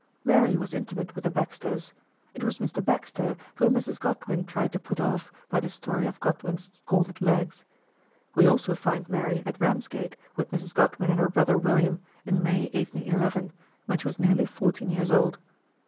Mary was intimate with the Baxters. It was Mr. Baxter whom Mrs. Godwin tried to put off by the story of Godwin's scalded legs. We also find Mary at Ramsgate with Mrs. Godwin and her brother William, hi May 1811, when she was nearly four teen years old.